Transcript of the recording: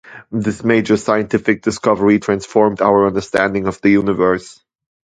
This major scientific discovery transformed our understanding of the universe.